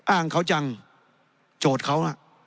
อ้างเขาจังโจทย์เขา